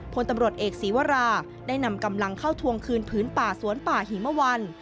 พลตำรวจเอกศีวราได้นำกำลังเข้าทวงคืนผืนป่าสวนป่าหิมวัน